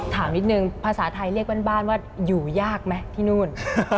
ถามนิดนึงภาษาไทยเรียกบ้านว่าอยู่ยากไหมที่นู่น